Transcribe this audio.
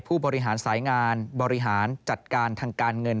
ผู้บริหารสายงานบริหารจัดการทางการเงิน